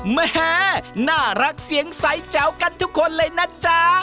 แม่น่ารักเสียงใสแจ๋วกันทุกคนเลยนะจ๊ะ